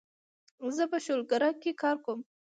زه په شولګره کې کار کوم